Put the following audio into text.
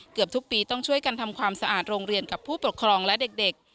เกือบทุกปีต้องช่วยกันทำความสะอาดโรงเรียนกับผู้ปกครองและเด็ก